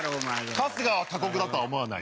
春日は過酷だとは思わない。